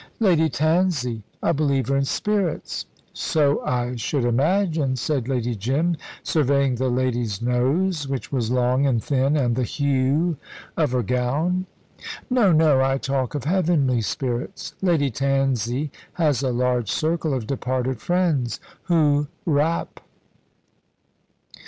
"Lady Tansey a believer in spirits." "So I should imagine," said Lady Jim, surveying the lady's nose, which was long and thin and the hue of her gown. "No, no! I talk of heavenly spirits. Lady Tansey has a large circle of departed friends, who rap."